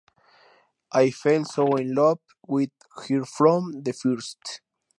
I fell so in love with her from the first.